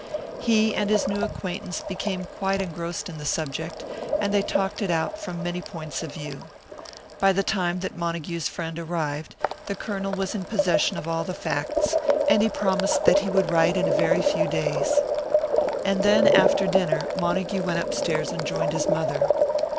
He and his new acquaintance became quite engrossed in the subject, and they talked it out from many points of view. By the time that Montague's friend arrived, the Colonel was in possession of all the facts, and he promised that he would write in a very few days. And then, after dinner, Montague went upstairs and joined his mother.